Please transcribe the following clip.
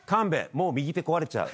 もう右手壊れちゃう。